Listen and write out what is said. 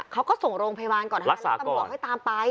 เขาก็ส่งโรงพยาบาลก่อนนะคะแล้วตำรวจให้ตามไป